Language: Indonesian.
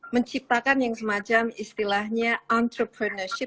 menciptakan yang semacam istilahnya entrepreneurship